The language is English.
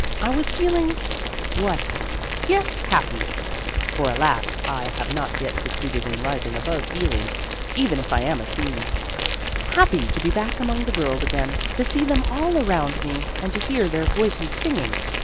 I was feeling what ? yes, happy (for, alas ! I have not yet succeeded in rising above feeling, even if I am a senior) happy to be back among the girls again, to see them all around me, and to hear their voices singing.